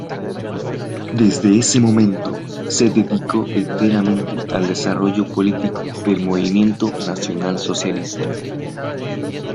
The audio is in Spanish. Desde ese momento se dedicó enteramente al desarrollo político del Movimiento Nacionalsocialista.